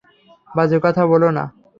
বাজে কথা বোলো না।